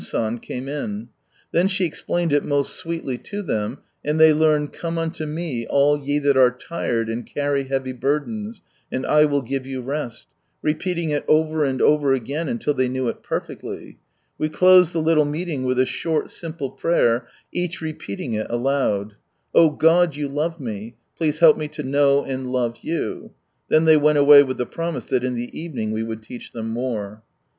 San came in. Then she explained it most sweetly to them, and they learned " Come unto Me all ye that ' are tired and carry' /leavy I'urdms,' and I will give you rest," repeating it over and over again, until they knew it perfectly. We closed the litdc meeting with a short, simple prayer, each repeating it aloud: " Oh ! God, You love me ; please help me to know and love You." Then they went away with ihe promise that in the evening we would teach thera more.